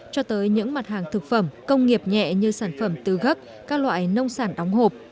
cho tới những mặt hàng thực phẩm công nghiệp nhẹ như sản phẩm tứ gấp các loại nông sản đóng hộp